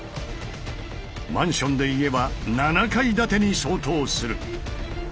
マンションで言えば７階建てに相当する。